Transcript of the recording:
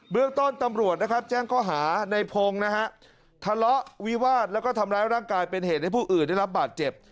เรื่องต้นตำรวจนะครับแจ้งข้อหาในพงศ์นะฮะทะเลาะวิวาสแล้วก็ทำร้ายร่างกายเป็นเหตุให้ผู้อื่นได้รับบาดเจ็บ